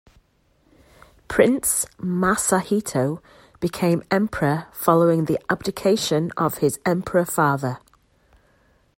Prince Masahito became emperor following the abdication of his emperor-father.